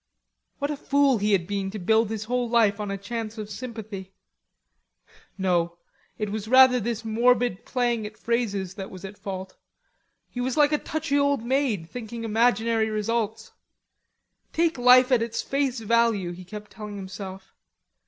What a fool he had been to build his whole life on a chance of sympathy? No. It was rather this morbid playing at phrases that was at fault. He was like a touchy old maid, thinking imaginary results. "Take life at its face value," he kept telling himself.